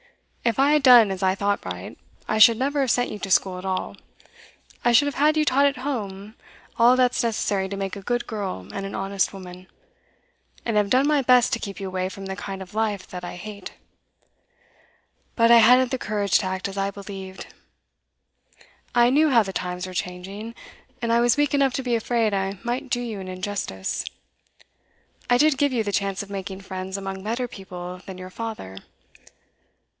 If I had done as I thought right, I should never have sent you to school at all. I should have had you taught at home all that's necessary to make a good girl and an honest woman, and have done my best to keep you away from the kind of life that I hate. But I hadn't the courage to act as I believed. I knew how the times were changing, and I was weak enough to be afraid I might do you an injustice. I did give you the chance of making friends among better people than your father.